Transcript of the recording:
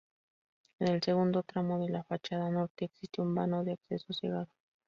En el segundo tramo de la fachada norte existe un vano de acceso cegado.